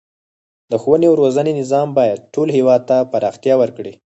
د ښوونې او روزنې نظام باید ټول هیواد ته پراختیا ورکړي.